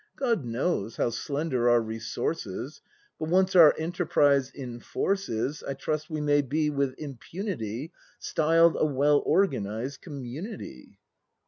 God knows, how slender our resources. But once our enterprise in force is, I trust we may be with impunity Styled a well organised community.